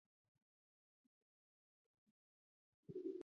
菲尔斯海姆是德国巴伐利亚州的一个市镇。